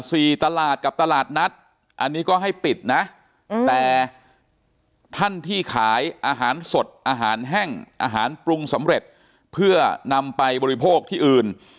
ตลาดกับตลาดนัดอันนี้ก็ให้ปิดนะแต่ท่านที่ขายอาหารสดอาหารแห้งอาหารปรุงสำเร็จเพื่อนำไปบริโภคที่อื่น